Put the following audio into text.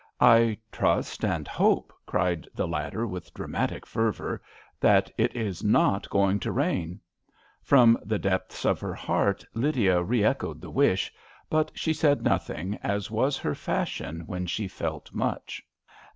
" I trust and hope," cried the latter, with dramatic fervour, " that it is not going to rain." From the depths of her heart Lydia re echoed the wish, but she A RAIKV DAV. lit said nothing, as was her fashion when she felt much.